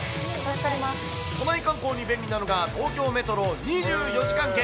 都内観光に便利なのが東京メトロ２４時間券。